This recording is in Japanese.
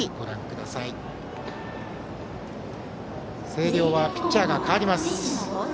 星稜はピッチャーが代わります。